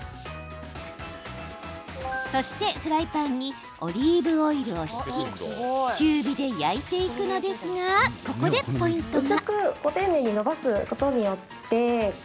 そして、フライパンにオリーブオイルを引き中火で焼いていくのですがここでポイントが。